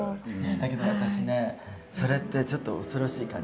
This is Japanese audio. だけど私ねそれってちょっと恐ろしい感じ。